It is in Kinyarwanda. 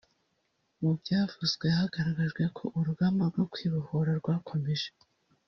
Mu byavuzwe hagaragajwe ko urugamba rwo kwibohora rwakomeje